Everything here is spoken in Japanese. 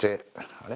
あれ？